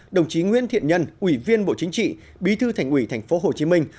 đồng chí nguyễn thiện nhân ủy viên bộ chính trị bí thư thành ủy thành phố hồ chí minh